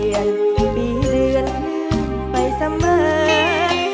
ขอเปลี่ยนที่ปีเลือนไปเสมอ